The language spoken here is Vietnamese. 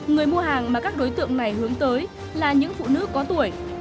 người mua hàng mà các đối tượng này hướng tới là những phụ nữ có tuổi